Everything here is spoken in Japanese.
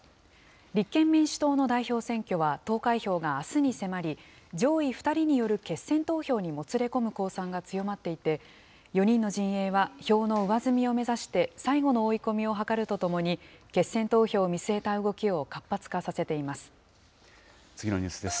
立憲民主党の代表選挙は投開票があすに迫り、上位２人による決選投票にもつれ込む公算が強まっていて、４人の陣営は票の上積みを目指して最後の追い込みを図るとともに、決選投票を見据えた動きを活発化させています。